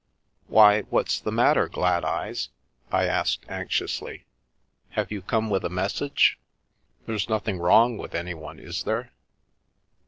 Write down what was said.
"Why, what's the matter, Gladeyes?" I asked anx iously, " have you come with a message? There's noth ing wrong with anyone, is there